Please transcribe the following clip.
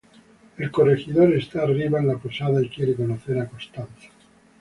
El corregidor está arriba en la posada y quiere conocer a Costanza.